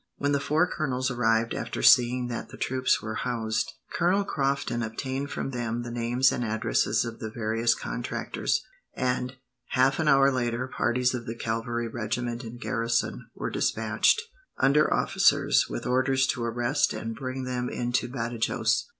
When the four colonels arrived, after seeing that the troops were housed, Colonel Crofton obtained from them the names and addresses of the various contractors; and, half an hour later, parties of the cavalry regiment in garrison were despatched, under officers, with orders to arrest and bring them into Badajos.